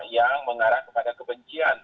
yang mengarah kepada kebencian